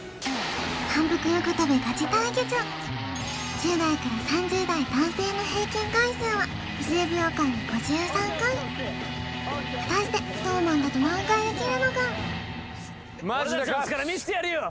１０代から３０代男性の平均回数は２０秒間で５３回果たしてＳｎｏｗＭａｎだと何回できるのか俺たちの力見せてやるよ